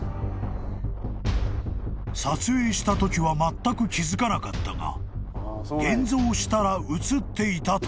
［撮影したときはまったく気付かなかったが現像したら写っていたという］